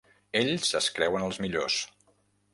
Ells es creuen els millors.